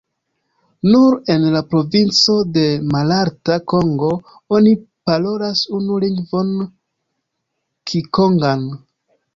Nur en la provinco de Malalta Kongo oni parolas unu lingvon, kikongan.